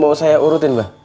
mau saya urutin mbah